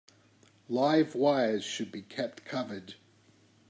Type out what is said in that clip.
Live wires should be kept covered.